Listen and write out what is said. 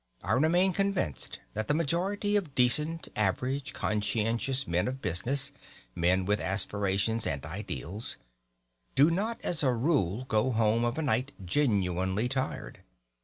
I remain convinced that the majority of decent average conscientious men of business (men with aspirations and ideals) do not as a rule go home of a night genuinely tired.